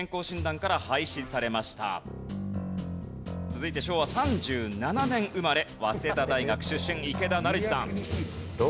続いて昭和３７年生まれ早稲田大学出身池田成志さん。